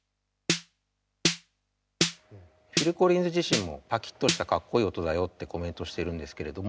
フィル・コリンズ自身もパキッとしたかっこいい音だよってコメントしてるんですけれども。